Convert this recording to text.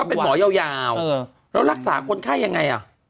เป็นหมอยาวแล้วรักษาคนไข้ยังไงอ่ะ